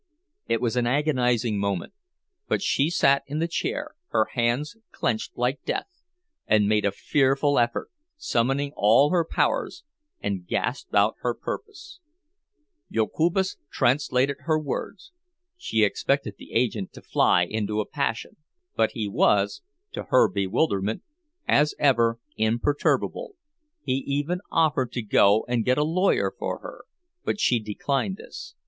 It was an agonizing moment, but she sat in the chair, her hands clenched like death, and made a fearful effort, summoning all her powers, and gasped out her purpose. Jokubas translated her words. She expected the agent to fly into a passion, but he was, to her bewilderment, as ever imperturbable; he even offered to go and get a lawyer for her, but she declined this.